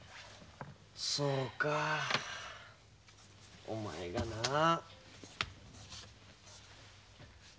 そうかお前がなあ。